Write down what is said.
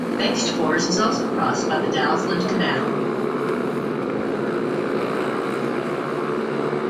Bengtsfors is also crossed by the Dalsland Canal.